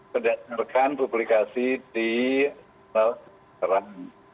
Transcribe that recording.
sedang mengerjakan publikasi di sekarang